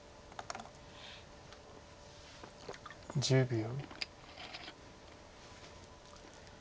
１０秒。